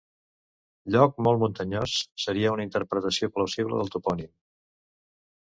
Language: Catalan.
Lloc molt muntanyós seria una interpretació plausible del topònim.